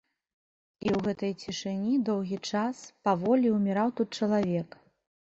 І ў гэтай цішыні доўгі час, паволі ўміраў тут чалавек.